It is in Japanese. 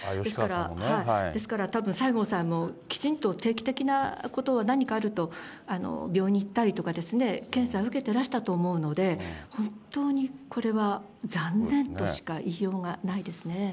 ですからたぶん、西郷さんもきちんと、定期的なことは何かあると、病院に行ったりとか、検査受けてらしたと思うので、本当にこれは残念としか言いようがないですね。